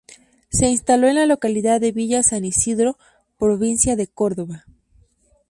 Se instaló en la localidad de Villa San Isidro, Provincia de Córdoba.